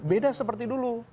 beda seperti dulu